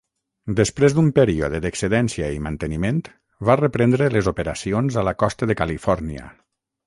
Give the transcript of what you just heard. Després d'un període d'excedència i manteniment, va reprendre les operacions a la costa de Califòrnia.